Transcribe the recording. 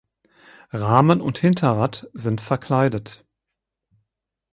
Rahmen und Hinterrad sind verkleidet.